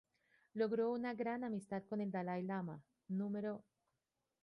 Logró una gran amistad con el Dalai Lama No.